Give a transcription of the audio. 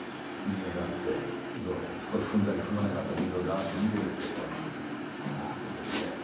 踏絵があってそこを踏んだり踏まなかったりいろいろあって見ててうわっと思ってですね。